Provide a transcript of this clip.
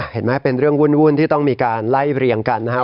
เป็นเรื่องวุ่นที่ต้องมีการไล่เรียงกันนะครับ